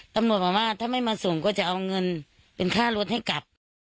ตำรวจบอกว่าถ้าไม่มาส่งก็จะเอาเงินเป็นค่ารถให้กลับ